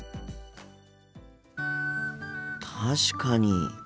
確かに。